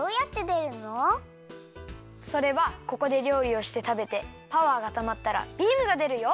それはここでりょうりをしてたべてパワーがたまったらビームがでるよ。